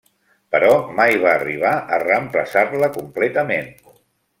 Però mai va arribar a reemplaçar-la completament.